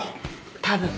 多分。